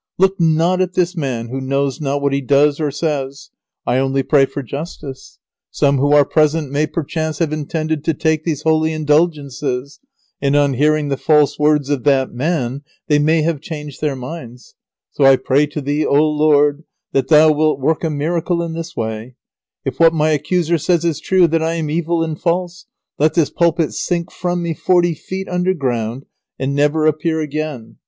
Look not at this man who knows not what he does or says. I only pray for justice. Some who are present may perchance have intended to take these holy Indulgences, and on hearing the false words of that man they may have changed their minds. So I pray to Thee, O Lord, that Thou wilt work a miracle in this way. [Sidenote: Sham miracle worked on the constable.] If what my accuser says is true, that I am evil and false, let this pulpit sink from me forty feet under ground, and never appear again.